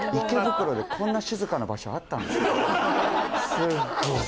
池袋で、こんな静かな場所あったんだ。